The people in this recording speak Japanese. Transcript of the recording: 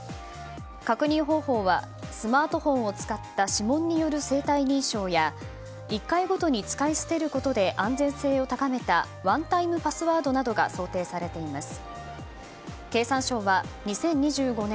確認方法はスマートフォンを使った指紋による生体認証や１回ごとに使い捨てることで安全性を高めたワンタイムパスワードなどが想定されています。